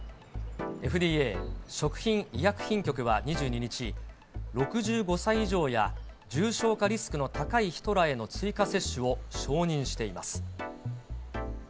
ＦＤＡ・食品医薬品局は２２日、６５歳以上や重症化リスクの高い人らへの追加接種を承認しています。